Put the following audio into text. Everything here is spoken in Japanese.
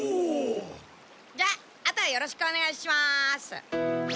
じゃあとはよろしくお願いします。